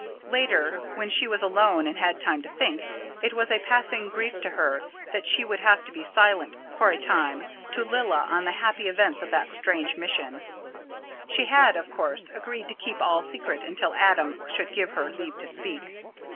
Later, when she was alone and had time to think, it was a passing grief to her that she would have to be silent, for a time, to Lilla on the happy events of that strange mission. She had, of course, agreed to keep all secret until Adam should give her leave to speak.